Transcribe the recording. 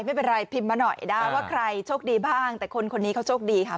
ไม่เป็นไรพิมพ์มาหน่อยได้ว่าใครโชคดีบ้างแต่คนคนนี้เขาโชคดีค่ะ